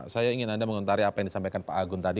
saya ingin anda mengontari apa yang disampaikan pak agun tadi